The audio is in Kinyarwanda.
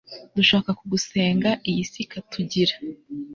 dushaka kugusenga, iyi si ikatugira